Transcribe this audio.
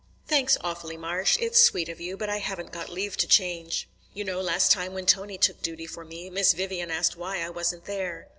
"Thanks awfully, Marsh; it's sweet of you, but I haven't got leave to change. You know last time, when Tony took duty for me, Miss Vivian asked why I wasn't there."